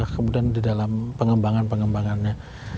kemudian di dalam pengembangan pengembangannya